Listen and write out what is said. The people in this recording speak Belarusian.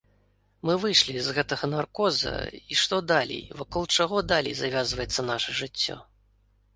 Мы выйшлі з гэтага наркоза, і што далей, вакол чаго далей завязваецца наша жыццё?